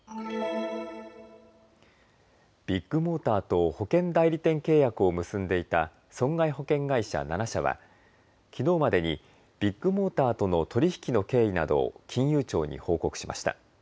ビッグモーターと保険代理店契約を結んでいた損害保険会社７社はきのうまでにビッグモーターとの取り引きの経緯などを金融庁に報告しました。